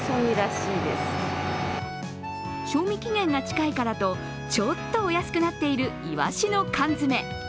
賞味期限が近いからと、ちょっとお安くなっているいわしの缶詰。